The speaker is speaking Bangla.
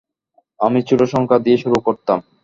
আমি ছোট সংখ্যা দিয়ে শুরু করতাম।